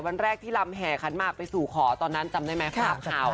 วันแรกที่ลำแห่ขันหมากไปสู่ขอตอนนั้นจำได้ไหมภาพข่าว